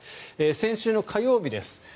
先週火曜日です。